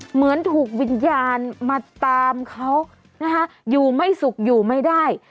เหมือนถูกวิญญาณมาตามเขานะคะอยู่ไม่สุขอยู่ไม่ได้